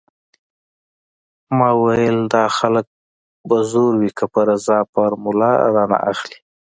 ما ويلې دا خلک په زور وي که په رضا فارموله رانه اخلي.